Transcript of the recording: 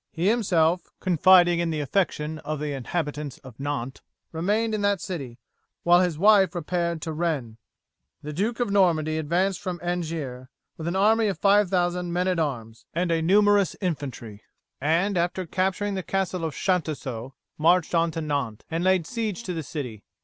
He himself, confiding in the affection of the inhabitants of Nantes, remained in that city, while his wife repaired to Rennes. "The Duke of Normandy advanced from Angiers with an army of 5000 men at arms and a numerous infantry, and after capturing the castle of Chantoceaux marched to Nantes and laid siege to the city.